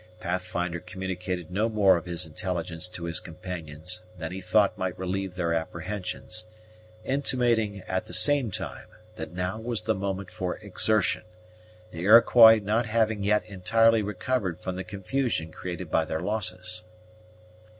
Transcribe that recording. Pathfinder communicated no more of this intelligence to his companions than he thought might relieve their apprehensions, intimating, at the same time, that now was the moment for exertion, the Iroquois not having yet entirely recovered from the confusion created by their losses.